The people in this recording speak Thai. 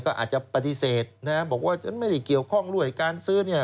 ก็อาจจะปฏิเสธนะบอกว่าฉันไม่ได้เกี่ยวข้องด้วยการซื้อเนี่ย